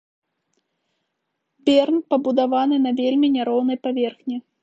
Берн пабудаваны на вельмі няроўнай паверхні.